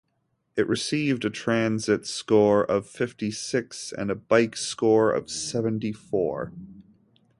It received a transit score of fifty-six and a bike score of seventy-four.